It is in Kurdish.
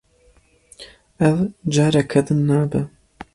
Ev, careke din nabe.